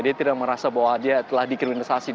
dia tidak merasa bahwa dia telah dikriminalisasi